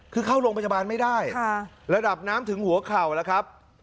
คือเข้าโรงพยาบาลไม่ได้ระดับน้ำถึงหัวเข่าแล้วครับ